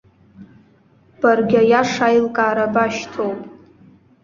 Баргьы аиаша аилкаара башьҭоуп.